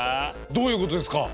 どういうことですか？